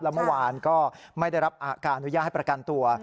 แล้วเมื่อวานก็ไม่ได้รับการอนุญาตให้ประกันตัว